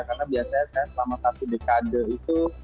karena biasanya saya selama satu dekade itu